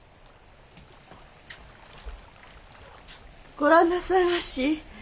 ご覧なさいまし。